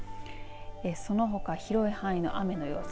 そのほか広い範囲の雨の様子。